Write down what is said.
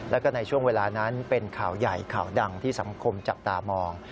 แล้วก็ในช่วงเวลานั้นเป็นข่าวใหญ่ข่าวดังที่สังคมจับตามอง